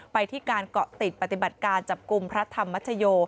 ไปที่การเกาะติดปฏิบัติการจับกลุ่มพระธรรมชโย